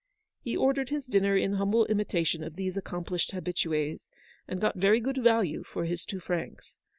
He ordered his dinner in humble imitation of these accomplished habitues, and got very good value for his two francs.